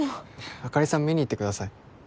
あかりさん見に行ってください